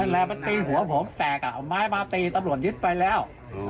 แหละมันตีหัวผมแฝกเอาไม้มาตีตำรวจยึดไปแล้ว